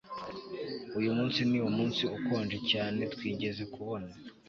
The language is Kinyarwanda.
Uyu munsi ni umunsi ukonje cyane twigeze kubona